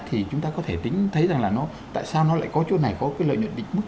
thì chúng ta có thể tính thấy rằng là nó tại sao nó lại có chỗ này có cái lợi nhuận định mức